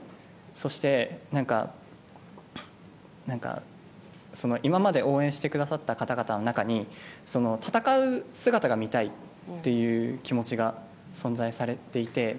そして、今まで応援してくださった方々の中に戦う姿が見たいという気持ちが存在されていて。